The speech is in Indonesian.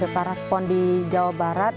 peparnas pon di jawa barat